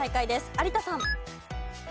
有田さん。